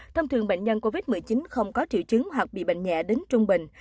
thông thường bệnh nhân covid một mươi chín không có triệu chứng hoặc bị bệnh nhẹ đến trung bình